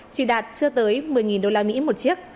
chỉ đạt chưa tới một mươi đô la mỹ một chiếc